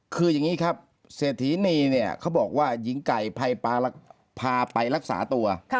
คืออย่างนี้ครับเศรษฐีนีเนี่ยเขาบอกว่าหญิงไก่พาไปรักษาตัว